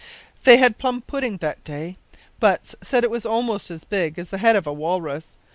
They had a plum pudding that day. Butts said it was almost as big as the head of a walrus.